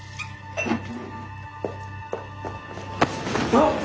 あっ！